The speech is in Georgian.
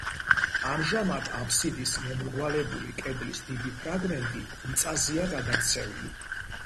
ამჟამად აფსიდის მომრგვალებული კედლის დიდი ფრაგმენტი მიწაზეა გადაქცეული.